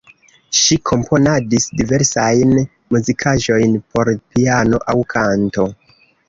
Ŝi komponadis diversajn muzikaĵojn por piano aŭ kanto.